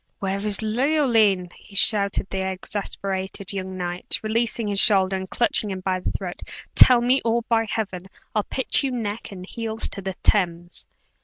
"Where is Leoline?" shouted the exasperated young knight, releasing his shoulder, and clutching him by the throat. "Tell me or, by Heaven! I'll pitch you neck and heels into the Thames!"